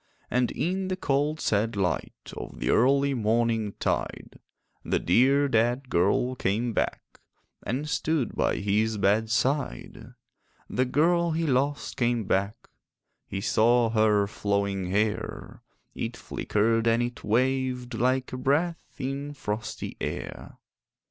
And in the cold sad light Of the early morningtide, The dear dead girl came back And stood by his bedside. The girl he lost came back: He saw her flowing hair; It flickered and it waved Like a breath in frosty air.